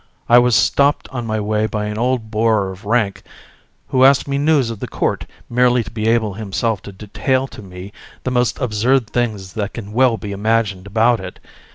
I was stopped on my way by an old bore of rank, who asked me news of the court, merely to be able himself to detail to me the most absurd things that can well be imagined about it.